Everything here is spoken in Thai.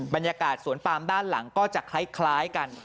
บรรยากาศสวนปามด้านหลังก็จะคล้ายกัน